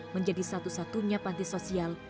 menjadi satu satunya panti sosial